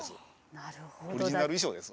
なるほど。